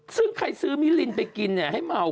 ซึ่งใครซื้อมิลินไปกินให้เมา